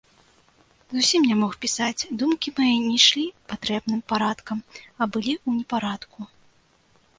Зусім не мог пісаць, думкі мае не ішлі патрэбным парадкам, а былі ў непарадку.